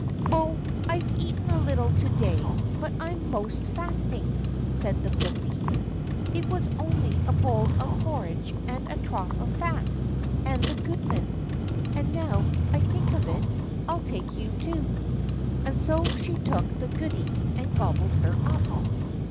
"Oh, I've eaten a little to day, but I'm 'most fasting," said pussy; "it was only a bowl of porridge, and a trough of fat, and the goodman—and, now I think of it, I'll take you too," and so she took the goody and gobbled her up.